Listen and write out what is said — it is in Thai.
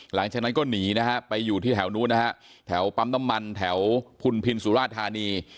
หลังจากนั้นก็หนีนะฮะไปอยู่ที่แถวนู้นนะฮะแถวปั๊มน้ำมันแถวพุนพินสุราธานี